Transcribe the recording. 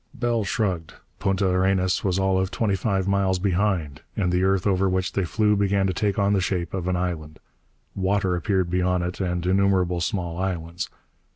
Bell shrugged. Punta Arenas was all of twenty five miles behind, and the earth over which they flew began to take on the shape of an island. Water appeared beyond it, and innumerable small islands.